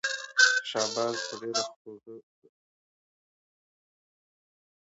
شاه عباس به ډېر لږ خواړه خوړل.